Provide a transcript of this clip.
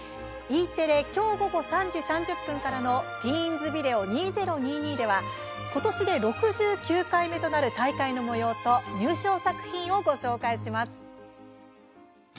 Ｅテレ、今日午後３時３０分からの「ティーンズビデオ２０２２」では今年で６９回目となる大会のもようと入賞作品を紹介します。